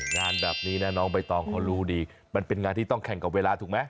งานแบบนี้นะน้องใบตองเขารู้ดีมันเป็นงานที่ต้องแข่งกับเวลาถูกไหม